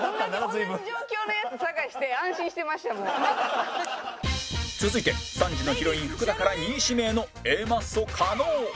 同じ状況のヤツ探して続いて３時のヒロイン福田から２位指名の Ａ マッソ加納